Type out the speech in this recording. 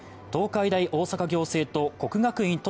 東海大大阪仰星と国学院